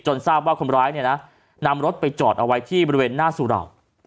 ทราบว่าคนร้ายเนี่ยนะนำรถไปจอดเอาไว้ที่บริเวณหน้าสุเหล่า